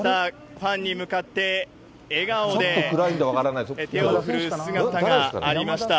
ファンに向かって笑顔で手を振る姿がありました。